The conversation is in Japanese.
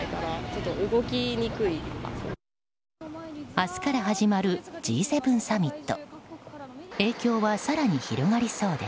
明日から始まるＧ７サミット。